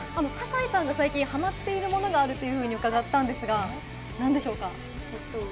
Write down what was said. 河西さんが最近、ハマっているものがあると伺ったんですが、なんでしょうか？